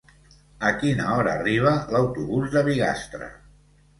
A quina hora arriba l'autobús de Bigastre?